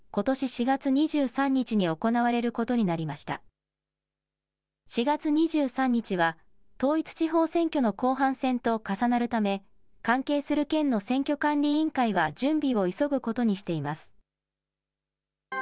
４月２３日は統一地方選挙の後半戦と重なるため、関係する県の選挙管理委員会は準備を急ぐことにしています。